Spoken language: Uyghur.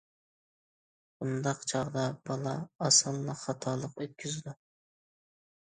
بۇنداق چاغدا بالا ئاسانلا خاتالىق ئۆتكۈزىدۇ.